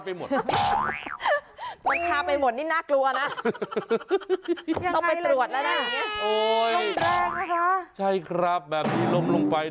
ล้มลงไปนี่นักลัวนะ